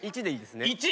１でいいですね？